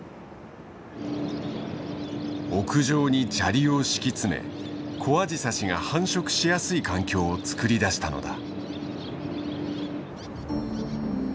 屋上に砂利を敷き詰めコアジサシが繁殖しやすい環境をつくり出したのだ。